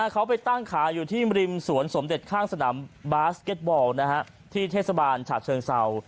เขาไปตั้งขายอยู่ที่ริมสวนสมเด็จข้างสนามบาสเก็ตบอลที่เทศบาลฉากเชิงเศร้า